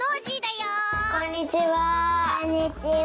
こんにちは。